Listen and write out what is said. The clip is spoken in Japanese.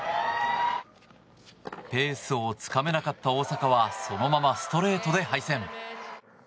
ペースをつかめなかった大坂はそのままストレート敗戦。